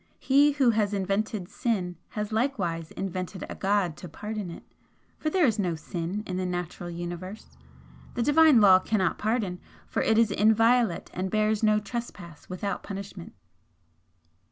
He who has invented Sin has likewise invented a God to pardon it, for there is no sin in the natural Universe. The Divine Law cannot pardon, for it is inviolate and bears no trespass without punishment.